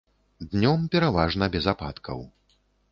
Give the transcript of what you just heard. Днём пераважна без ападкаў.